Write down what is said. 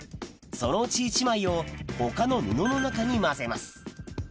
そのうち１枚を他の布の中に交ぜます